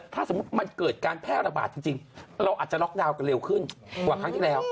ถ้าสมมุติมันเกิดการแพร่ระบาดจริงเราอาจจะล็อกดาวน์กันเร็วขึ้นกว่าครั้งที่แล้ว